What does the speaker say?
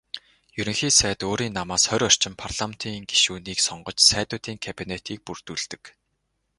Ерөнхий сайд өөрийн намаас хорь орчим парламентын гишүүнийг сонгож "Сайдуудын кабинет"-ийг бүрдүүлдэг.